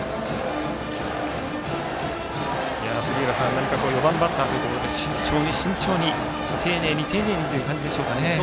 何か４番バッターということで慎重に慎重に、丁寧に丁寧にという感じでしょうか。